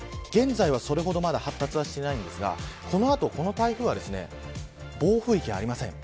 現在はそれほどまだ発達はしてませんがこの後、この台風は暴風域はありません。